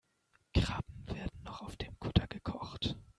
Krabben werden noch auf dem Kutter gekocht.